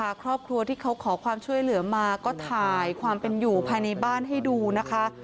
ครอบครัวที่เขาขอความช่วยเหลือมาก็ถ่ายความเป็นอยู่ภายในบ้านให้ดูนะคะ